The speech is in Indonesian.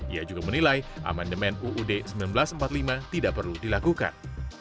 ia juga menilai amandemen uud seribu sembilan ratus empat puluh lima tidak perlu dilakukan